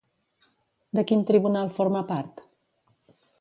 De quin tribunal forma part?